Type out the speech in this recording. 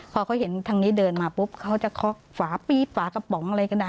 พอเขาเห็นทางนี้เดินมาปุ๊บเขาจะเคาะฝาปี๊บฝากระป๋องอะไรก็ได้